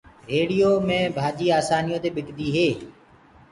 ريڙهيو مي ڀآڃيٚ آسآنيٚ يو دي ٻڪديٚ هي۔